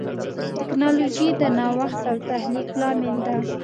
ټکنالوجي د نوښت او تخلیق لامل ده.